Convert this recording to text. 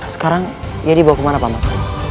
sekarang dia dibawa kemana pak mok